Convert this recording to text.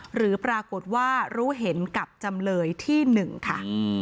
หรือปรากฏว่ารู้เห็นกับจำเลยที่๑ค่ะ